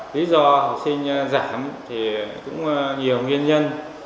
lý do học sinh giảm thì cũng nhiều nguyên nhân